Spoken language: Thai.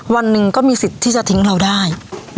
วันหนึ่งก็มีสิทธิ์ที่จะทิ้งเราได้